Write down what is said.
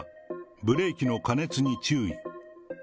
ブレーキの過熱に注意。